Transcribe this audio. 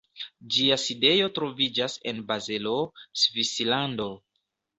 Ĝia sidejo troviĝas en Bazelo, Svislando.